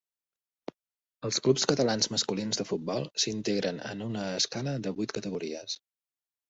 Els clubs catalans masculins de futbol s'integren en una escala de vuit categories.